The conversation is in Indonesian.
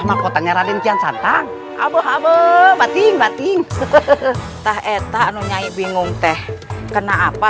mahkota nyara dan kian santang abu abu batin batin sebetulnya tah etaknya bingung teh kenapa